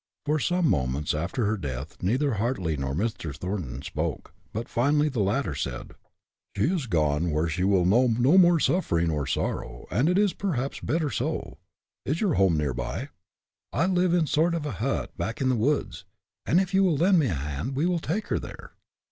For some moments after her death neither Hartly nor Mr. Thornton spoke, but finally the latter said: "She has gone where she will know no more suffering or sorrow and it is perhaps better so. Is your home near by?" "I live in a sort of hut back in the woods, and if you will lend a hand we will take her there."